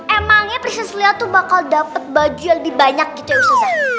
emangnya priscilia tuh bakal dapet baju yang lebih banyak gitu ya ustazah